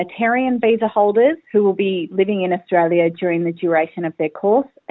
dan dalam hal pengguna visa